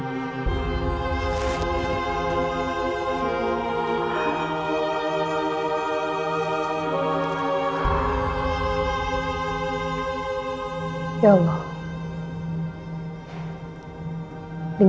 gue ngerasa seperti apa